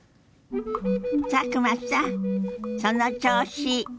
佐久間さんその調子！